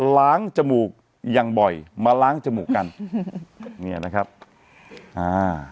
ล้างจมูกอย่างบ่อยมาล้างจมูกกันอืมเนี่ยนะครับอ่า